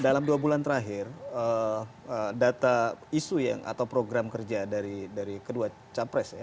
dalam dua bulan terakhir data isu atau program kerja dari kedua capres ya